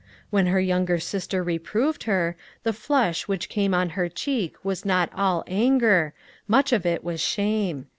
When her younger sister reproved her, the flush which came on her cheek was not all anger, much of it was shame.